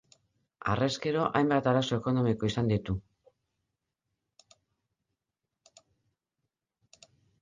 Harrezkero hainbat arazo ekonomiko izan ditu.